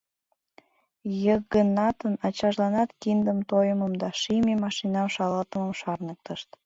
Йыгнатын ачажланат киндым тойымым да шийме машинам шалатымым шарныктышт.